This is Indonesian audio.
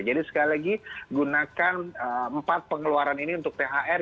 jadi sekali lagi gunakan empat pengeluaran ini untuk thr